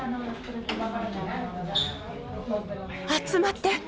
集まって。